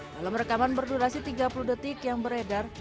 dalam rekaman berdurasi tiga puluh detik yang beredar